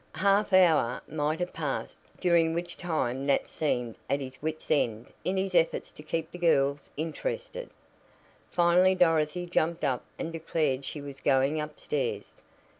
A half hour might have passed, during which time Nat seemed at his wits' end in his efforts to keep the girls interested. Finally Dorothy jumped up and declared she was going upstairs.